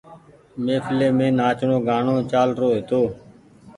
مهڦلي مين نآچڻو گآڻو چآل رو هيتو۔